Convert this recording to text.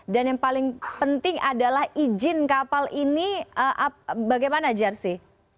dan yang paling penting adalah izin kapal ini bagaimana jersi